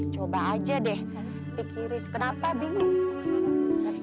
coba aja deh pikirin kenapa bingung